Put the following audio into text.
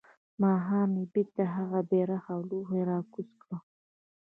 ماښام يې بيرته هغه بيرغ او لوحه راکوزه کړه.